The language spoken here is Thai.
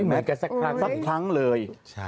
ไม่เหมือนกันสักครั้งเลย